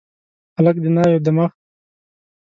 هلک د ناوي د مخ